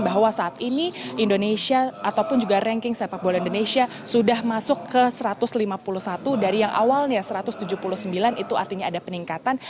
bahwa saat ini indonesia ataupun juga ranking sepak bola indonesia sudah masuk ke satu ratus lima puluh satu dari yang awalnya satu ratus tujuh puluh sembilan itu artinya ada peningkatan